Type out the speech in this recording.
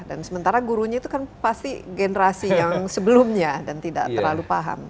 dan sementara gurunya itu kan pasti generasi yang sebelumnya dan tidak terlalu paham